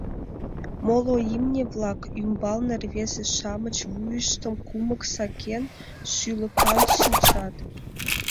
Моло имне-влак ӱмбалне рвезе-шамыч вуйыштым кумык сакен, шӱлыкаҥ шинчат.